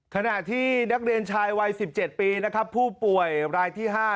ขณะที่นักเรียนชายวัย๑๗ปีนะครับผู้ป่วยรายที่๕